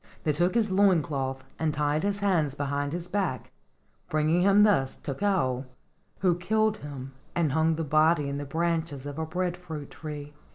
They took his loin cloth, and tied his hands behind his back, bringing him thus to Kou, who killed him and hung the body in the branches of a breadfruit tree.